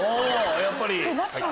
やっぱり！